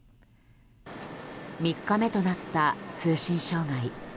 ３日目となった通信障害。